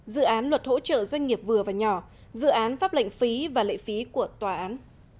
dự án luật hỗ trợ doanh nghiệp vừa và nhỏ dự án pháp lệnh phí và lệ phí của tòa án